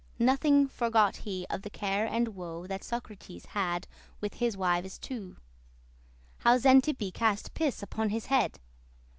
Nothing forgot he of the care and woe That Socrates had with his wives two; How Xantippe cast piss upon his head.